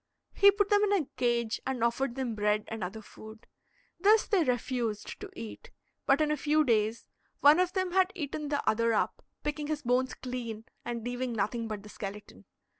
He put them in a cage, and offered them bread and other food. This they refused to eat, but in a few days one of them had eaten the other up, picking his bones clean and leaving nothing but the skeleton.